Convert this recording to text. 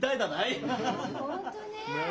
本当ねえ。